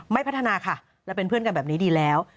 พัฒนาค่ะเราเป็นเพื่อนกันแบบนี้ดีแล้ว